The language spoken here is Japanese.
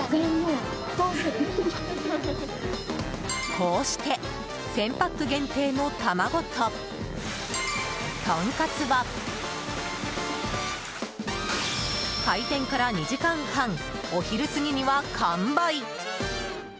こうして１０００パック限定の卵と、とんかつは開店から２時間半お昼過ぎには完売。